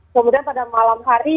kemudian pada malam hari